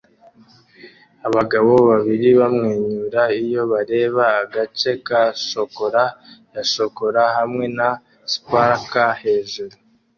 Abagabo babiri bamwenyura iyo bareba agace ka shokora ya shokora hamwe na sparkler hejuru